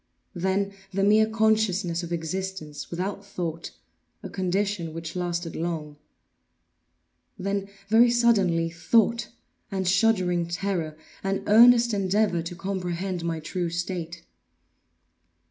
Then the mere consciousness of existence, without thought—a condition which lasted long. Then, very suddenly, thought, and shuddering terror, and earnest endeavor to comprehend my true state.